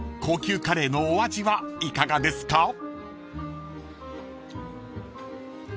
高級カレーのお味はいかがですか？］